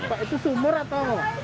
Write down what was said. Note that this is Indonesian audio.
pak itu sumur atau